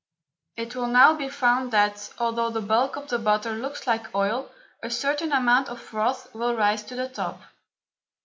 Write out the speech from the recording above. It will now be found that, although the bulk of the butter looks like oil, a certain amount of froth will rise to the top.